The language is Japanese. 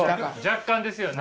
若干ですよね。